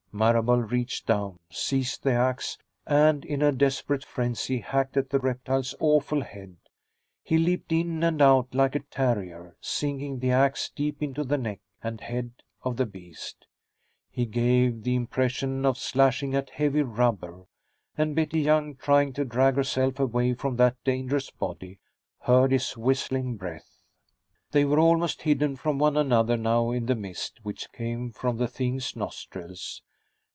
Marable reached down, seized the ax, and in a desperate frenzy hacked at the reptile's awful head. He leaped in and out like a terrier, sinking the ax deep into the neck and head of the beast. He gave the impression of slashing at heavy rubber, and Betty Young, trying to drag herself away from that dangerous body, heard his whistling breath. They were almost hidden from one another now, in the mist which came from the thing's nostrils.